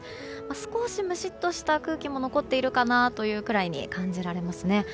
少しムシッとした空気も残っているかなというくらいに感じられますね。